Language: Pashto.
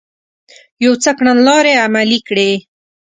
يو څه کړنلارې عملي کړې